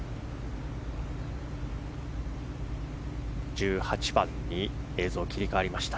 １８番に映像が切り替わりました。